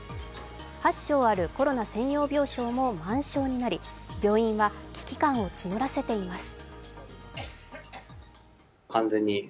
８床あるコロナ専用病床も満床になり病院は危機感を募らせています。